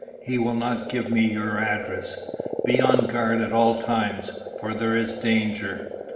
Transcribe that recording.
He will not give me your address. Be on guard at all times, for there is danger.